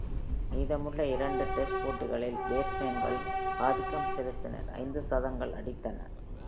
மீதமுள்ள இரண்டு டெஸ்ட் போட்டிகளில் பேட்ஸ்மேன்கள் ஆதிக்கம் செலுத்தினர், ஐந்து சதங்கள் அடித்தன.